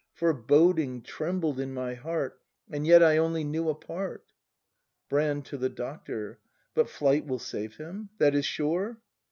Foreboding trembled in my heart, — And yet I only knew a part. Brand. [To The Doctor.] But flight will save him ? That is sure